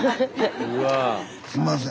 すんません。